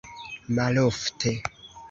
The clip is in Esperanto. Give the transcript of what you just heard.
malofte